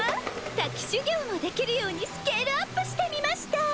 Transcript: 滝修行もできるようにスケールアップしてみました！